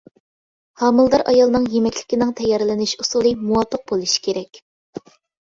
ھامىلىدار ئايالنىڭ يېمەكلىكىنىڭ تەييارلىنىش ئۇسۇلى مۇۋاپىق بولۇشى كېرەك.